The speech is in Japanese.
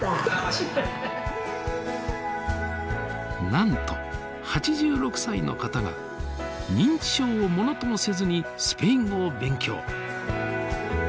なんと８６歳の方が認知症をものともせずにスペイン語を勉強。